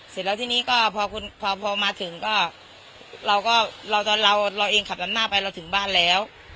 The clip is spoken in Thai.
เสร็จแล้วที่นี้ก็พอคุณพอพอมาถึงก็เราก็เราตอนเราเราเองขับดำหน้าไปเราถึงบ้านแล้ว